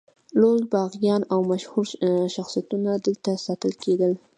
لوی باغیان او مشهور شخصیتونه دلته ساتل کېدل.